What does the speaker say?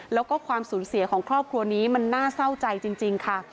แล้วก็ความสูญเสียของครอบครัวนี้มันน่าเศร้าใจจริงค่ะ